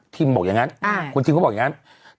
บอกอย่างนั้นคุณทิมก็บอกอย่างนั้น